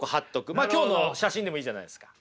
今日の写真でもいいじゃないですか。